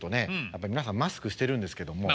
やっぱり皆さんマスクしてるんですけども。